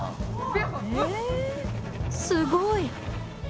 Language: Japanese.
すごい！